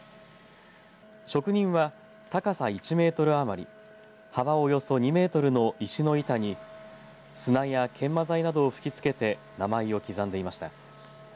職人は、高さ１メートル余り幅およそ２メートルの石の板に砂や研磨剤などを吹きつけて名前を刻んでいました。